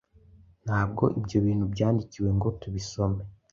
Ntabwo ibyo bintu byandikiwe ngo tubisome